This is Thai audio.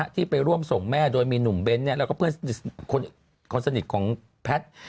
ที่ไปร่วมส่งแม่โดยมีหนุ่มเบ้นแล้วก็เพื่อนคนสนิทของแพทย์